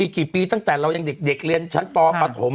กี่ปีตั้งแต่เรายังเด็กเรียนชั้นปปฐม